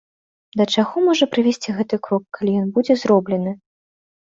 Да чаго можа прывесці гэты крок, калі ён будзе зроблены?